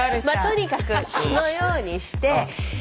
まあとにかくこのようにして。